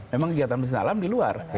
memang kegiatan bisnis alam di luar